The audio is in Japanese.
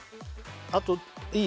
あといい？